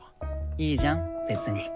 いいじゃん別に。